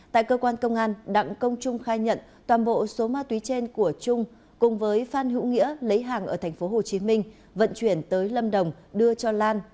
tại cơ quan công an đặng công trung khai nhận toàn bộ số ma túy trên của trung cùng với phan hữu nghĩa lấy hàng ở tp hcm vận chuyển tới lâm đồng đưa cho lan